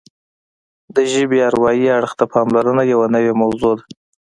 د ژبې اروايي اړخ ته پاملرنه یوه نوې موضوع ده